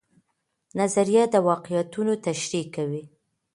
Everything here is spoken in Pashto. نظریه د واقعیتونو تشریح کوي.